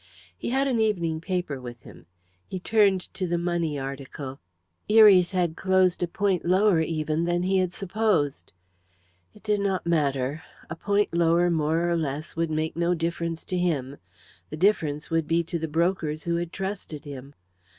He had an evening paper with him. He turned to the money article. Eries had closed a point lower even than he had supposed. It did not matter. A point lower, more or less, would make no difference to him the difference would be to the brokers who had trusted him.